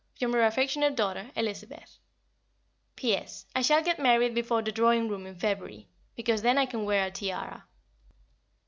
From your affectionate daughter, Elizabeth. P.S. I shall get married before the Drawing Room in February, because then I can wear a tiara.